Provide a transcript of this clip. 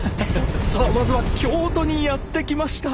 さあまずは京都にやって来ました。